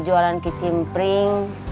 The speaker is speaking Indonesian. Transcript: jualan kicim pring